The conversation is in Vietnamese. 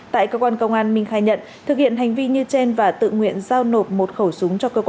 tại cơ quan công an minh khai nhận thực hiện hành vi như trên và tự nguyện giao nộp một khẩu súng cho cơ quan